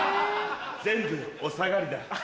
全部お下がりだ。